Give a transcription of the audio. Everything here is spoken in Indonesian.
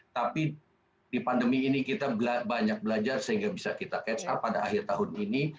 tapi di pandemi ini kita banyak belajar sehingga bisa kita catch up pada akhir tahun ini